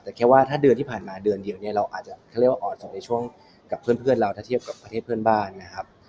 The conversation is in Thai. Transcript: แต่แค่ว่าถ้าเดือนที่ผ่านมาเดือนเดียวเนี่ยเราอาจจะเขาเรียกว่าออกจากในช่วงกับเพื่อนเราถ้าเทียบกับประเทศเพื่อนบ้านนะครับ